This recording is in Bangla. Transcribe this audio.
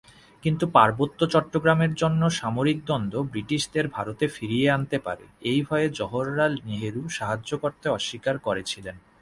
কিন্তু পার্বত্য চট্টগ্রামের জন্য সামরিক দ্বন্দ্ব ব্রিটিশদের ভারতে ফিরিয়ে আনতে পারে, এই ভয়ে জওহরলাল নেহরু সাহায্য করতে অস্বীকার করেছিলেন।